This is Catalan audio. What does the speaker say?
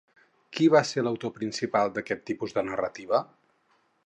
Qui va ser l'autor principal d'aquest tipus de narrativa?